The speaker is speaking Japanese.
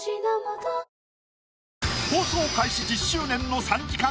放送開始１０周年の３時間